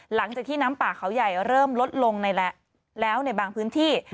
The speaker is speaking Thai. หลังจากที่น้ำป่าเขาใหญ่เริ่มลดลงแล้วในบางพื้นที่